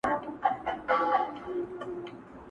هوسېږو ژوندانه د بل جهان ته-